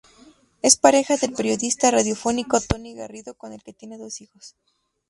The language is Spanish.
Es pareja del periodista radiofónico Toni Garrido, con el que tiene dos hijos.